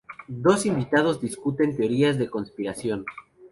Dos invitados discuten teorías de conspiración.